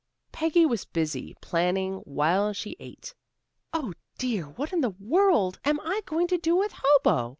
Peggy was busy planning while she ate. "Oh, dear, what in the world am I going to do with Hobo?